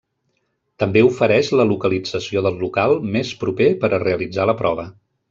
També ofereix la localització del local més proper per a realitzar la prova.